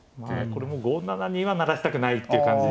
これも５七には成らしたくないっていう感じ。